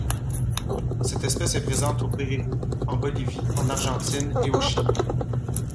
Cette espèce est présente au Pérou, en Bolivie, en Argentine et au Chili.